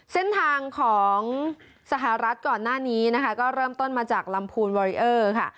เส้นทางของสหรัฐก่อนหน้านี้นะคะก็เริ่มต้นมาจากลำพูนวอริเออร์ค่ะ